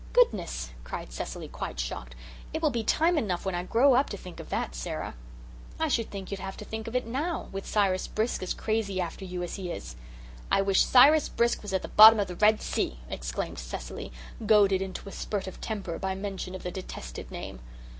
"Goodness!" cried Cecily, quite shocked. "It will be time enough when I grow up to think of that, Sara." "I should think you'd have to think of it now, with Cyrus Brisk as crazy after you as he is." "I wish Cyrus Brisk was at the bottom of the Red Sea," exclaimed Cecily, goaded into a spurt of temper by mention of the detested name.